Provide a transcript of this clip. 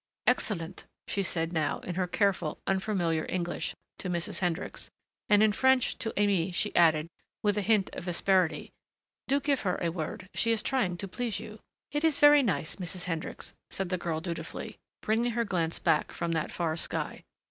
"Excellent," she said now in her careful, unfamiliar English to Mrs. Hendricks, and in French to Aimée she added, with a hint of asperity, "Do give her a word. She is trying to please you." "It is very nice, Mrs. Hendricks," said the girl dutifully, bringing her glance back from that far sky.